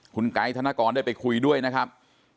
คุณไกด์ธนกรได้ไปคุยด้วยนะครับ